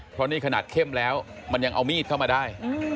เพราะนี่ขนาดเข้มแล้วมันยังเอามีดเข้ามาได้